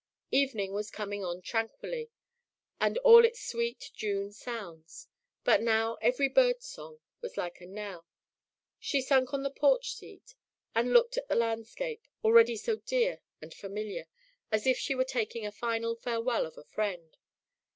Evening was coming on tranquilly, with all its sweet June sounds, but now every bird song was like a knell. She sunk on the porch seat and looked at the landscape, already so dear and familiar, as if she were taking a final farewell of a friend.